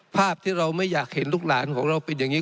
ภาพที่เราไม่อยากเห็นลูกหลานของเราเป็นอย่างนี้